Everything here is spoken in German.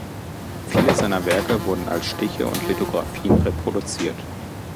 Viele seiner Werke wurden als Stiche und Lithographien reproduziert.